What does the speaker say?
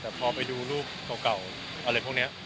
แต่พอไปดูรูปเก่าอะไรพวกนี้